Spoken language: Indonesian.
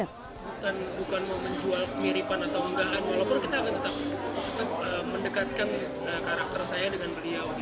bukan mau menjual kemiripan atau enggak walaupun kita akan tetap mendekatkan karakter saya dengan beliau